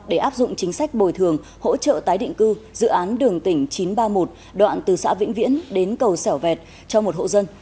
để áp dụng chính sách bồi thường hỗ trợ tái định cư dự án đường tỉnh chín trăm ba mươi một đoạn từ xã vĩnh viễn đến cầu sẻo vẹt cho một hộ dân